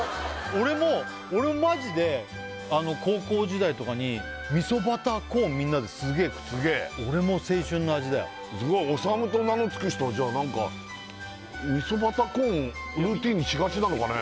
俺も俺もマジで高校時代とかに味噌バターコーンみんなですげえ食ってたのすげえ俺も青春の味だよオサムと名の付く人はじゃあ何か味噌バターコーンルーティンにしがちなのかね